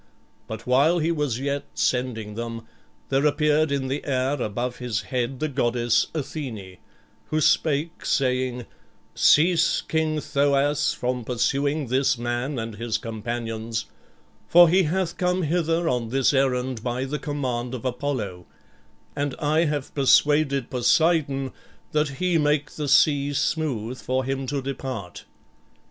But while he was yet sending them, there appeared in the air above his head the goddess Athene, who spake, saying, "Cease, King Thoas, from pursuing this man and his companions; for he hath come hither on this errand by the command of Apollo; and I have persuaded Poseidon that he make the sea smooth for him to depart."